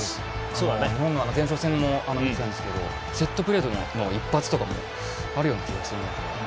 前哨戦も見てたんですけどセットプレーでの一発とかあるような気がするので。